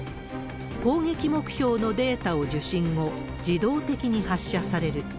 攻撃目標のデータを受信後、自動的に発射される。